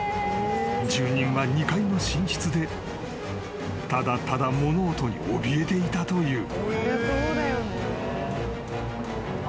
［住人は２階の寝室でただただ物音におびえていたという］